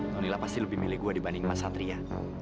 tonila pasti lebih milih gue dibanding mas satria